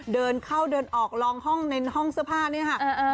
เดินเข้าเดินออกลองห้องในห้องเสื้อผ้าเนี่ยค่ะ